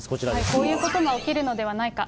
こういうことが起きるのではないか。